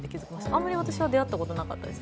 あまり私は出会ったことなかったです